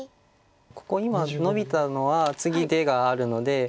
ここ今ノビたのは次出があるので。